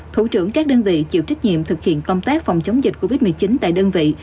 thủ trưởng các đơn vị chịu trách nhiệm thực hiện công tác phòng chống dịch covid một mươi chín tại đơn vị